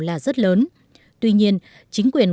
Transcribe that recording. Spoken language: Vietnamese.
là rất lớn tuy nhiên chính quyền